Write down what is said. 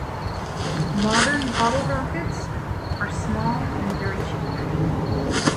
Modern bottle rockets are small and very cheap.